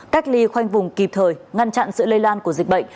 cách ly khoanh vùng kịp thời ngăn chặn sự lây lan của dịch bệnh